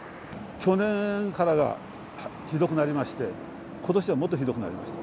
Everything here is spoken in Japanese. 去年からがひどくなりまして、ことしはもっとひどくなりました。